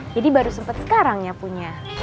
jadi baru sempet sekarang nyapunya